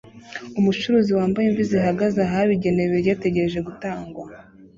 Umucuruzi wambaye imvi zihagaze ahabigenewe ibiryo ategereje gutangwa